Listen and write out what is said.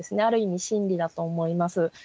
ある意味真理だと思います。